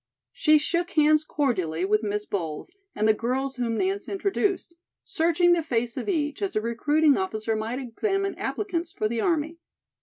She shook hands cordially with Miss Bowles, and the girls whom Nance introduced, searching the face of each, as a recruiting officer might examine applicants for the army.